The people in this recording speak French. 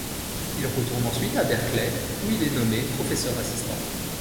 Il retourne ensuite à Berkeley où il est nommé professeur assistant.